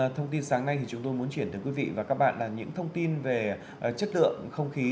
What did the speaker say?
thông tin sáng nay chúng tôi muốn chuyển tới quý vị và các bạn là những thông tin về chất lượng không khí